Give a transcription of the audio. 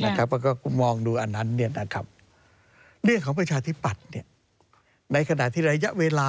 แล้วก็มองดูอันนั้นเรื่องของปรัชธิปัตย์ในขณะที่ระยะเวลา